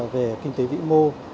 về kinh tế vĩ mô